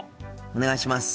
お願いします。